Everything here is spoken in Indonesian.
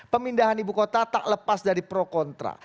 pemindahan ibu kota tak lepas dari pro kontra